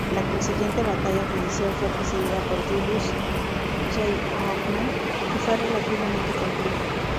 La consiguiente batalla judicial fue presidida por Julius J. Hoffman y fue relativamente compleja.